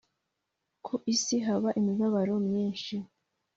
ku isi haba imibabaro myinshi